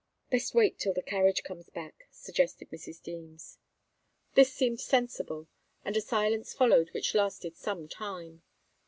"Best wait till the carriage comes back," suggested Mrs. Deems. This seemed sensible, and a silence followed which lasted some time.